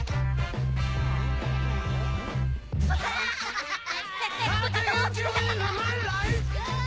ハハハ！